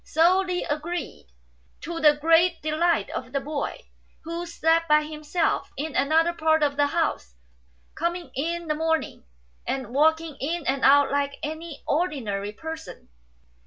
So Li agreed, to the great delight of the boy, who slept by himself in another part of the house, coming in the morning and walking in and out like any ordinary person.